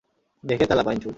দেখে চালা, বাইঞ্চুদ!